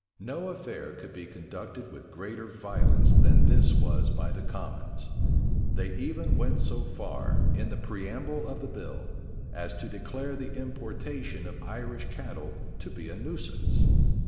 No affair could be conducted with greater violence than this was by the commons. They even went so far, in the preamble of the bill, as to declare the importation of Irish cattle to be a nuisance.